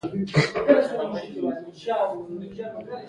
د موادو دوام د اقلیمي شرایطو په مقابل کې مهم دی